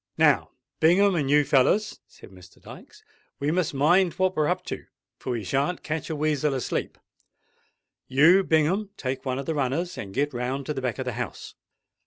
"Now, Bingham and you fellers," said Mr. Dykes, "we must mind what we're up to; for we shan't catch a weasel asleep. You, Bingham, take one of the runners and get round to the back of the house.